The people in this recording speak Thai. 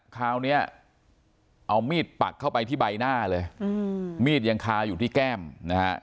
คราวนี้เอามีดปักเข้าไปที่ใบหน้าเลยมีดยังคาอยู่ที่แก้มนะฮะ